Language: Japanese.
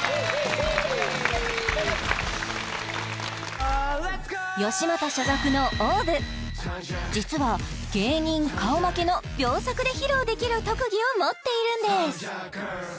さあここからは吉本所属のＯＷＶ実は芸人顔負けの秒速で披露できる特技を持っているんです